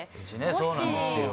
そうなんですよ